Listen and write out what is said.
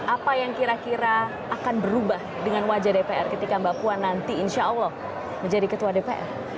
apa yang kira kira akan berubah dengan wajah dpr ketika mbak puan nanti insya allah menjadi ketua dpr